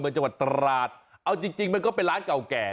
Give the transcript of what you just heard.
จังหวัดตราดเอาจริงจริงมันก็เป็นร้านเก่าแก่